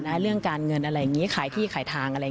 ในเรื่องหน้าที่การงาน